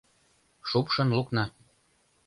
Шупшын лукна.